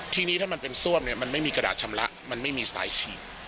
ทีนี้ถ้ามันเป็นซ่วมเนี่ยมันไม่มีกระดาษชำระมันไม่มีสายฉีด